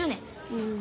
うん。